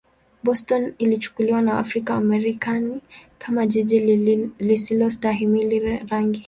Boston ilichukuliwa na Waafrika-Wamarekani kama jiji lisilostahimili rangi.